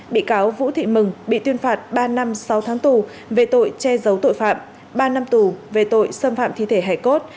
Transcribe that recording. bị cáo vũ thị mừng bị tuyên phạt ba năm sáu tháng tù về tội che giấu tội phạm ba năm tù về tội xâm phạm thi thể hải cốt